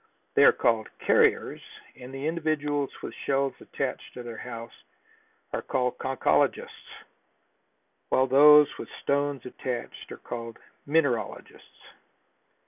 They are called "carriers" and the individuals with shells attached to their house are called Conchologists, while those with stones attached are called Mineralogists.